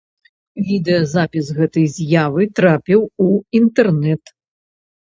Відэазапіс гэтай з'явы трапіў у інтэрнэт.